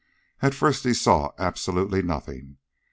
At first he saw absolutely nothing.